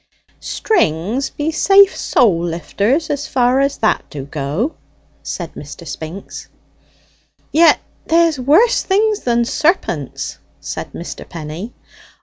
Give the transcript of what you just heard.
"Strings be safe soul lifters, as far as that do go," said Mr. Spinks. "Yet there's worse things than serpents," said Mr. Penny.